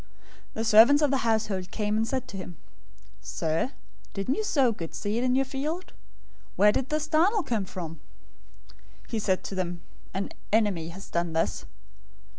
013:027 The servants of the householder came and said to him, 'Sir, didn't you sow good seed in your field? Where did this darnel come from?' 013:028 "He said to them, 'An enemy has done this.'